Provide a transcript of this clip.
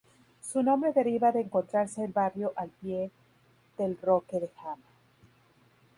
Su nombre deriva de encontrarse el barrio al pie del roque de Jama.